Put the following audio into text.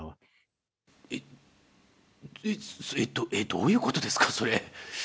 どういうことですか、それ。